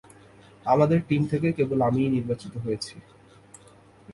আমাদের টিম থেকে কেবল আমিই নির্বাচিত হয়েছি।